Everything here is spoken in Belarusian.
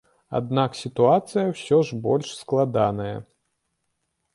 Аднак сітуацыя ўсё ж больш складаная.